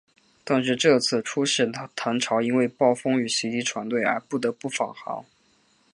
但是这次出使唐朝因为暴风雨袭击船队而不得不返航。